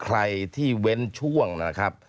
ใครที่เว้นช่วงนะครับ